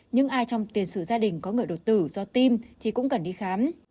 những ai trong tiền sử gia đình có người đột tử do tim thì cũng cần đi khám